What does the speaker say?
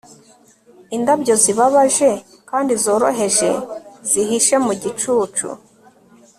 indabyo zibabaje kandi zoroheje zihishe mu gicucu